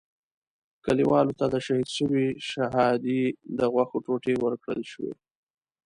کلیوالو ته د شهید شوي شهادي د غوښو ټوټې ورکړل شوې.